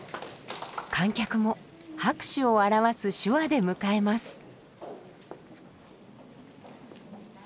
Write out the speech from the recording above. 観客も拍手を表す手話で迎えます。